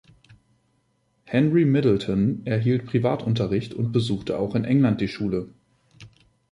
Henry Middleton erhielt Privatunterricht und besuchte auch in England die Schule.